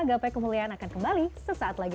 gapai kemuliaan akan kembali sesaat lagi